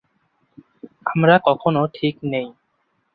আমরা কখনও ঠিক নেই!